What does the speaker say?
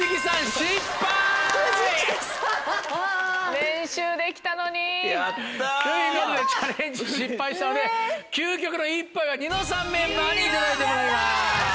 練習できたのに。ということでチャレンジ失敗したので究極の１杯は『ニノさん』メンバーにいただいてもらいます。